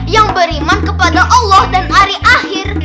yang beriman kepada allah dan hari akhir